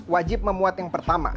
wajib memuat yang pertama